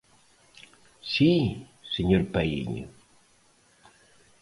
¿Si, señor Paíño?